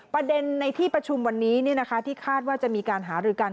ประเด็นในที่ประชุมวันนี้ที่คาดว่าจะมีการหารือกัน